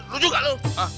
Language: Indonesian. lu juga lu